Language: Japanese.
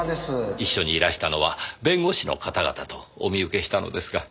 一緒にいらしたのは弁護士の方々とお見受けしたのですが。